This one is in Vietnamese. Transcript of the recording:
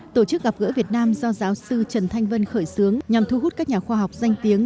tổ chức gặp gỡ việt nam do giáo sư trần thanh vân khởi xướng nhằm thu hút các nhà khoa học danh tiếng